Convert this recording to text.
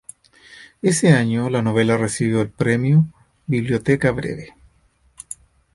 Ese año la novela recibió el premio Biblioteca Breve.